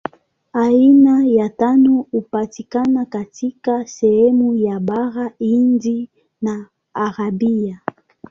Aina ya tano hupatikana katika sehemu ya Bara Hindi na Arabia.